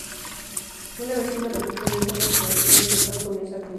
Una vez que una producción entra en la fotografía principal, comienza a filmar.